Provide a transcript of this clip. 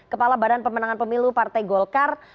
kepala badan pemenangan pemilu partai golkar